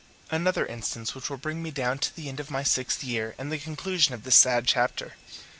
Another instance which will bring me down to the end of my sixth year and the conclusion of this sad chapter.